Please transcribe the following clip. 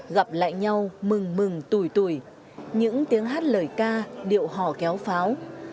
gặp lại nhau mừng mừng tuổi tuổi những tiếng hát lời ca điệu hò kéo pháo